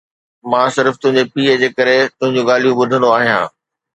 مان صرف تنهنجي پيءُ جي ڪري تنهنجون ڳالهيون ٻڌندو آهيان